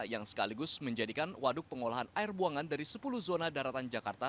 yang sekaligus menjadikan waduk pengolahan air buangan dari sepuluh zona daratan jakarta